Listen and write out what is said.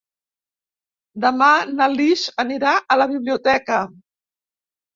Demà na Lis anirà a la biblioteca.